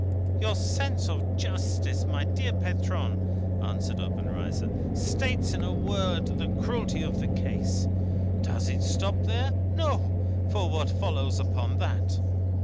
"Your sense of justice, my dear patron," answered Obenreizer, "states in a word the cruelty of the case. Does it stop there? No. For, what follows upon that?"